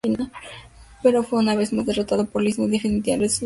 Pero fue una vez más derrotado por Lisímaco, y definitivamente reducido a la sumisión.